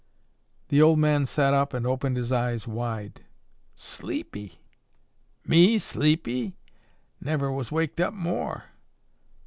The old man sat up and opened his eyes wide. "Sleepy, me sleepy? Never was waked up more!